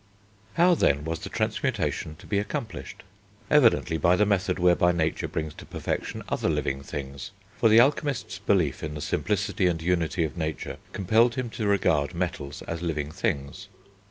How, then, was the transmutation to be accomplished? Evidently by the method whereby nature brings to perfection other living things; for the alchemist's belief in the simplicity and unity of nature compelled him to regard metals as living things.